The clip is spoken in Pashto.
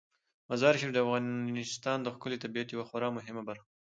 مزارشریف د افغانستان د ښکلي طبیعت یوه خورا مهمه برخه ده.